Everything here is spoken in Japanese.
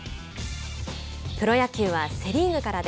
プロ野球はセ・リーグから。